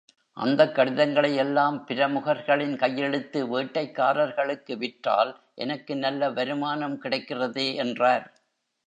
அந்தக் கடிதங்களை எல்லாம், பிரமுகர்களின் கையெழுத்து வேட்டைக்காரர்களுக்கு விற்றால் எனக்கு நல்ல வருமானம் கிடைக்கிறதே என்றார்.